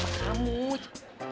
tante gak salah